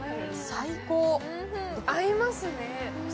最高、合いますね。